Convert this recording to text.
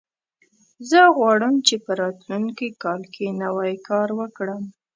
زه غواړم چې په راتلونکي کال کې نوی کار وکړم